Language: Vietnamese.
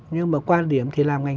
nhưng mà quan điểm thì làm ngành